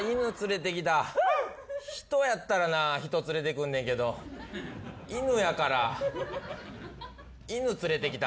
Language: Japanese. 人やったらな人連れてくんねんけど犬やから犬連れてきた。